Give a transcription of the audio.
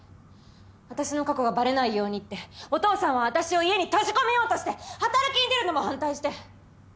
私の過去がバレないようにってお父さんは私を家に閉じ込めようとして働きに出るのも反対して。